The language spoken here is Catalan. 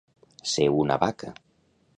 Ser una vaca.